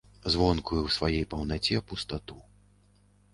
Звонкую ў сваёй паўнаце пустату.